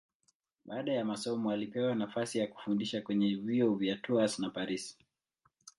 Baada ya masomo alipewa nafasi ya kufundisha kwenye vyuo vya Tours na Paris.